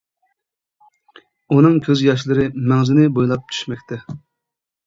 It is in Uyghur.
ئۇنىڭ كۆز ياشلىرى مەڭزىنى بويلاپ چۈشمەكتە.